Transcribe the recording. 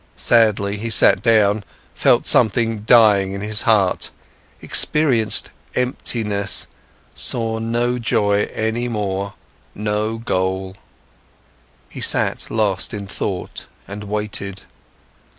Sadly, he sat down, felt something dying in his heart, experienced emptiness, saw no joy any more, no goal. He sat lost in thought and waited.